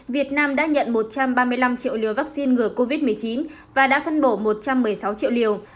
việt nam đã nhận một trăm ba mươi năm triệu liều vaccine ngừa covid một mươi chín và đã phân bổ một trăm một mươi sáu triệu liều